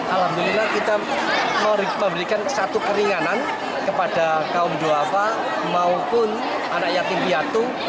alhamdulillah kita memberikan satu keringanan kepada kaum du'afa maupun anak yatim piatu